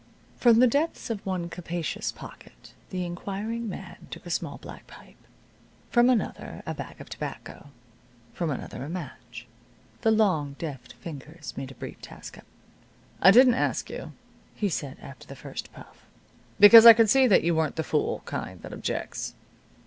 From the depths of one capacious pocket the inquiring man took a small black pipe, from another a bag of tobacco, from another a match. The long, deft fingers made a brief task of it. "I didn't ask you," he said, after the first puff, "because I could see that you weren't the fool kind that objects."